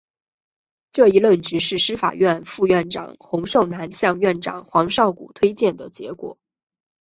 这一任职是司法院副院长洪寿南向院长黄少谷推荐的结果。